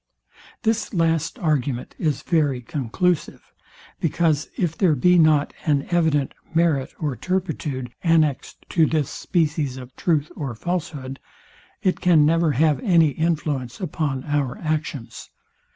This last argument is very conclusive; because, if there be not an evident merit or turpitude annexed to this species of truth or falahood, It can never have any influence upon our actions.